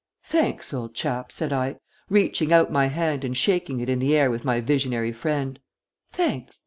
"Thanks, old chap," said I, reaching out my hand and shaking it in the air with my visionary friend "thanks.